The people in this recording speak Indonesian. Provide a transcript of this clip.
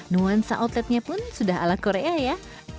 nuansa outletnya pun sudah ala korea ya